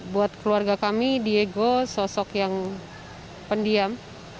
buat keluarga kami diego sosok yang pendiam